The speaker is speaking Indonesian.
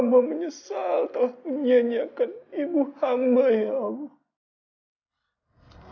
kamu menyesal telah menyanyikan ibu hamba ya allah